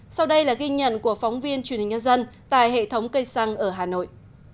sau đây là ghi nhận của phóng viên truyền hình nhân dân tại hệ thống cây xăng ở hà nội